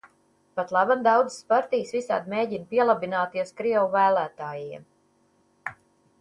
Patlaban daudzas partijas visādi mēģina pielabināties krievu vēlētājiem.